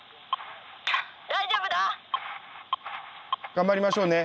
頑張りましょうね。